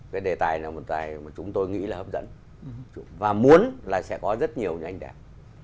cái đề tài là một đề tài mà chúng tôi nghĩ là hấp dẫn và muốn là sẽ có rất nhiều nha anh đạc